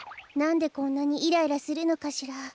なんでこんなにイライラするのかしら。